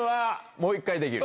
もう１回できる。